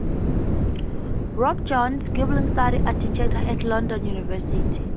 Robsjohn-Gibbings studied architecture at London University.